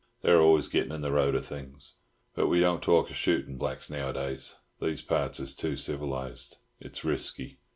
They're always gettin' in the road of things. But we don't talk of shootin' blacks nowadays These parts is too civilised—it's risky.